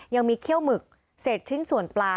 ยังมีเขี้ยวหมึกเศษชิ้นส่วนปลา